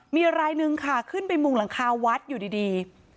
มีรายนึงค่ะขึ้นไปมุงหลังคาวัดอยู่ดี